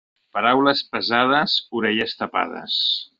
A paraules pesades, orelles tapades.